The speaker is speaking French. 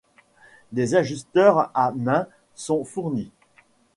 Des ajusteurs à main sont fournis.